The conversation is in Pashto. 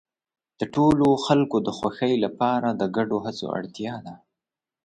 د ټولو خلکو د خوښۍ لپاره د ګډو هڅو اړتیا ده.